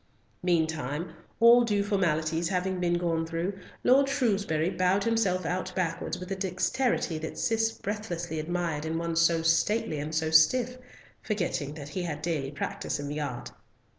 Meantime, all due formalities having been gone through, Lord Shrewsbury bowed himself out backwards with a dexterity that Cis breathlessly admired in one so stately and so stiff, forgetting that he had daily practice in the art.